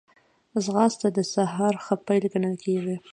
ځغاسته د سهار ښه پيل ګڼل کېږي